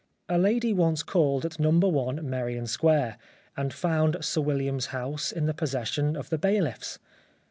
A lady once called at No. i Merrion Square and found Sir William's house in the possession of the bailiffs.